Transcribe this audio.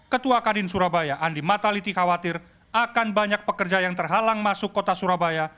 ketua kadin surabaya andi mataliti khawatir akan banyak pekerja yang terhalang masuk kota surabaya